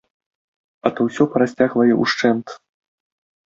А то ўсё парасцягвае ўшчэнт.